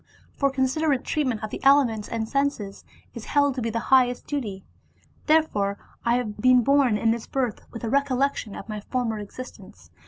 For considerate treatment of the elements and senses is held to be the highest duty. Therefore I have been born in this birth with a recollection of my former existence.